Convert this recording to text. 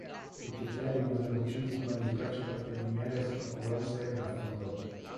Tutti e tre rimasero uccisi quando il cacciatorpediniere si capovolse ed affondò.